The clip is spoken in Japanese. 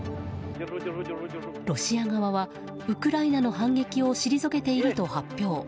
ロシア側はウクライナの反撃を退けていると発表。